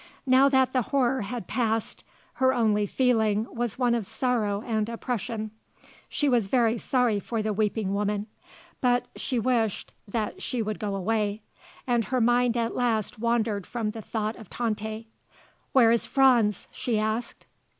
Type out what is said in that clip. Now that the horror had passed, her only feeling was one of sorrow and oppression. She was very sorry for the weeping woman; but she wished that she would go away. And her mind at last wandered from the thought of Tante. "Where is Franz?" she asked.